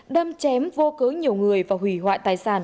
đâm chém vô cớ nhiều người và hủy hoại tài sản